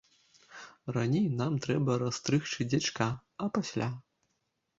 Раней нам трэба расстрыгчы дзячка, а пасля.